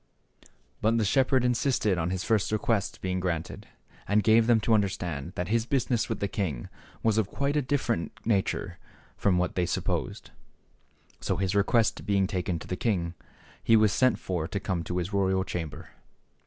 But the shepherd insisted on his first request being granted, and gave them to understand that his business with the king was of quite a different nature from what they supposed. So his request being taken to the king, he was sent for to come to his royal chamber.